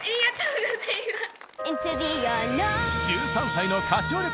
１３歳の歌唱力